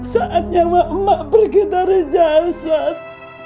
saatnya mak mak pergi dari jasad